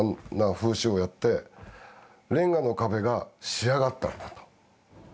風刺をやってレンガの壁が仕上がったんだと。